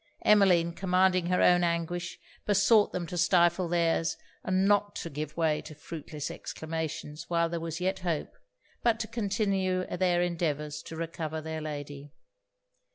Emmeline, commanding her own anguish, besought them to stifle their's, and not to give way to fruitless exclamations while there was yet hope, but to continue their endeavours to recover their lady.